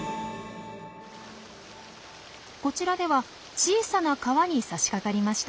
こちらでは小さな川にさしかかりました。